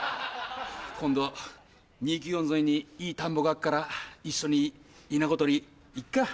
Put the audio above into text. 今度２９４沿いにいい田んぼがあっから一緒にイナゴ取り行くか。